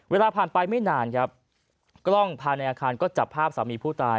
เวลาผ่านไปไม่นานครับกล้องภายในอาคารก็จับภาพสามีผู้ตาย